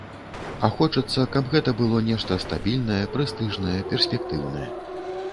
А хочацца, каб гэта было нешта стабільнае, прэстыжнае, перспектыўнае.